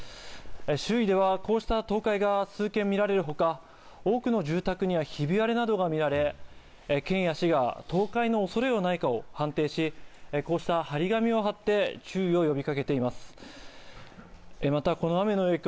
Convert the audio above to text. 周囲ではこうした倒壊が数軒見られるほか多くの住宅がひび割れ等がみられ、県や市が倒壊の恐れがないかを判定し、こうした、はり紙を貼って注意を呼びかけています。